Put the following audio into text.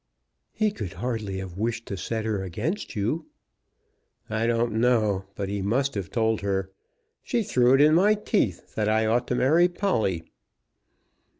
"He could hardly have wished to set her against you." "I don't know; but he must have told her. She threw it in my teeth that I ought to marry Polly."